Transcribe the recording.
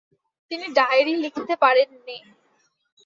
তিনি ডায়েরি লিখতে পারেন নি।